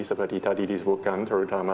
seperti tadi disebutkan terutama